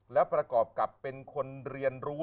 แล้วประกอบกับเป็นคนเรียนรู้